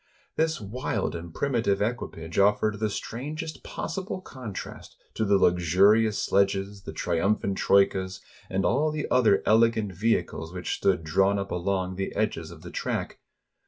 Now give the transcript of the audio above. This wild and primitive equipage offered the strangest possible contrast to the luxurious sledges, the trium phant troikas, and all the other elegant vehicles which stood drawn up along the edges of the track.